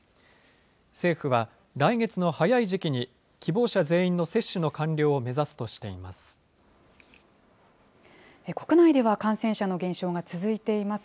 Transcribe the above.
政府は来月の早い時期に、希望者全員の接種の完了を目指すとしています。